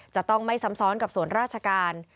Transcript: จะต้องไม่ซ้ำซ้อนกับส่วนราชการ